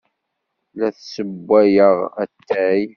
La d-ssewwayeɣ atay.